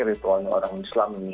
ritualnya orang islam ini